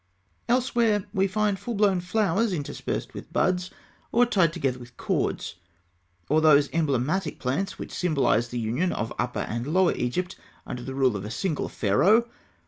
Elsewhere, we find full blown flowers interspersed with buds (fig. 98), or tied together with cords (fig. 99); or those emblematic plants which symbolise the union of Upper and Lower Egypt under the rule of a single Pharaoh (fig.